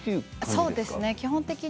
そうですね